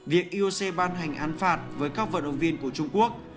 việc ioc ban hành án phạt với các vận động viên của trung quốc